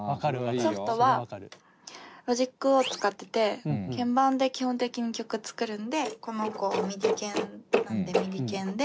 ソフトはロジックを使ってて鍵盤で基本的に曲作るんでこの子ＭＩＤＩ鍵なんでＭＩＤＩ鍵で。